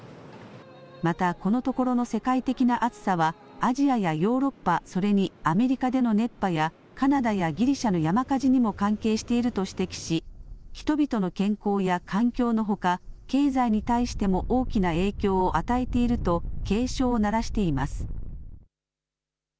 また、このところの世界的な暑さはアジアやヨーロッパそれにアメリカでの熱波やカナダやギリシャの山火事にも関係していると指摘し人々の健康や環境のほか、経済に対しても大きな影響を与えていると警鐘を鳴らしています。